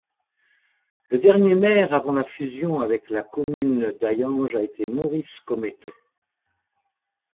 Le dernier maire avant la fusion avec la commune d'Hayange, a été Maurice Cometto.